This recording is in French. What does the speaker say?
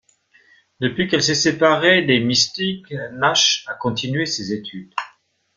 Depuis qu'elle s'est séparée des Mis-Teeq, Nash a continué ses études.